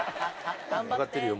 わかってるよ